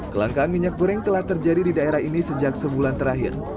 kelangkaan minyak goreng telah terjadi di daerah ini sejak sebulan terakhir